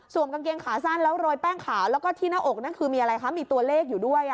สวมกางเกงขาสั้นแล้วโรยแป้งขาวแล้วก็ที่หน้าอกมีตัวเลขอยู่ด้วย